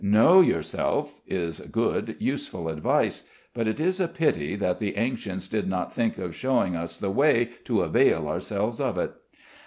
"Know yourself" is good, useful advice; but it is a pity that the ancients did not think of showing us the way to avail ourselves of it.